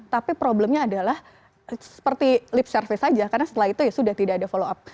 tapi problemnya adalah seperti lip service saja karena setelah itu ya sudah tidak ada follow up